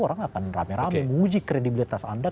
orang akan rame rame menguji kredibilitas anda